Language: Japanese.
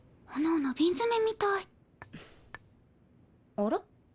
あら？